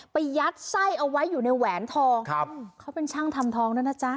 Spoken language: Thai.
ยัดไส้เอาไว้อยู่ในแหวนทองครับเขาเป็นช่างทำทองด้วยนะจ๊ะ